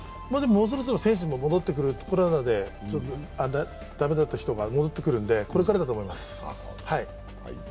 もうそろそろ選手も戻ってくる、コロナで駄目だった人が戻ってくるので、これからだと思います。